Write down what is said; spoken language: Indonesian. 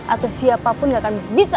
atau siapapun yang akan bisa